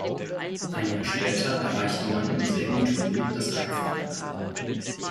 Ein Jahr später erreichte man im selben Turnier das Halbfinale.